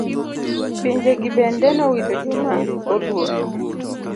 Pinje gi bende nowito joma oluor.